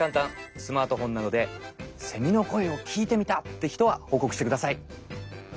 スマートフォンなどでセミのこえをきいてみたってひとはほうこくしてください。